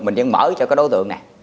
mình vẫn mở cho cái đối tượng nè